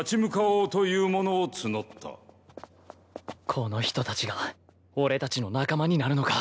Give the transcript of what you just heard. この人たちが俺たちの仲間になるのか。